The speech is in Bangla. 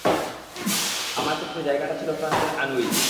আমার ক্ষেত্রে জায়গাটা ছিল ফ্রান্সের আনউই।